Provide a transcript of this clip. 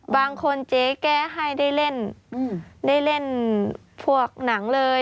บางคนเจ๊แก้ให้ได้เล่นได้เล่นพวกหนังเลย